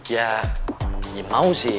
ya mau sih